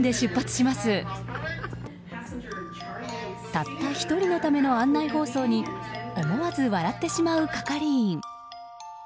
たった１人のための案内放送に思わず笑ってしまう係員。